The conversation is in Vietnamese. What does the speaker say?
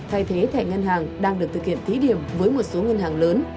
thay thế thẻ ngân hàng đang được thực hiện thí điểm với một số ngân hàng lớn